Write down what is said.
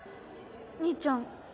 兄ちゃん